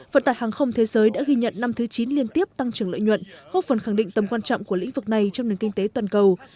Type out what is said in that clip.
vận tải hàng không thế giới đã ghi nhận năm thứ chín liên tiếp tăng trưởng lợi nhuận góp phần khẳng định tầm quan trọng của lĩnh vực này trong nền kinh tế toàn cầu